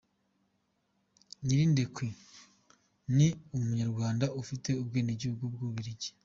Nyirindekwe ni Umunyarwanda ufite ubwenegihugu bw’u Bubiligi .